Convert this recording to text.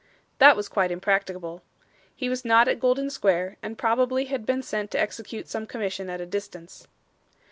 That was quite impracticable. He was not at Golden Square, and probably had been sent to execute some commission at a distance.